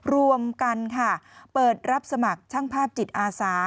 รวมกันค่ะเปิดรับสมัครช่างภาพจิตอาสา